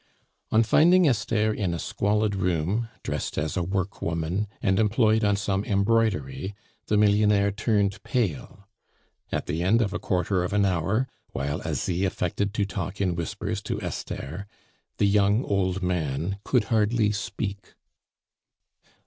On finding Esther in a squalid room, dressed as a work woman, and employed on some embroidery, the millionaire turned pale. At the end of a quarter of an hour, while Asie affected to talk in whispers to Esther, the young old man could hardly speak.